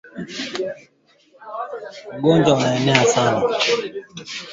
Dalili ya ugonjwa wa mapafu ni mnyama kuwa na kinyesi chenye damudamu